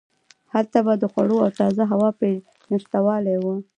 هلته به د خوړو او تازه هوا نشتوالی و.